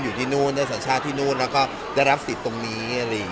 อยู่ที่นู่นได้สัญชาติที่นู่นแล้วก็ได้รับสิทธิ์ตรงนี้อะไรอย่างนี้